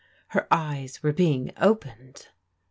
Her eyes were being opened.